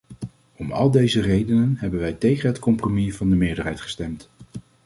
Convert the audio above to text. Om al deze redenen hebben wij tegen het compromis van de meerderheid gestemd.